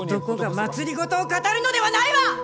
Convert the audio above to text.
男が政を語るのではないわぁ！